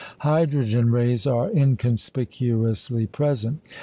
Hydrogen rays are inconspicuously present.